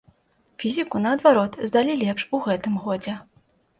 Фізіку, наадварот, здалі лепш у гэтым годзе.